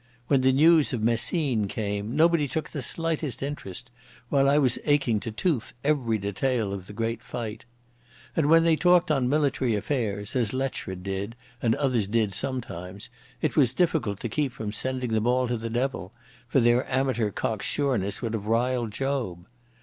When the news of Messines came nobody took the slightest interest, while I was aching to tooth every detail of the great fight. And when they talked on military affairs, as Letchford and others did sometimes, it was difficult to keep from sending them all to the devil, for their amateur cocksureness would have riled Job.